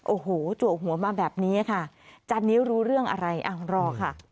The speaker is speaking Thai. โอ้โหจัวหัวมาแบบนี้ค่ะจันนี้รู้เรื่องอะไรอ่ะรอค่ะ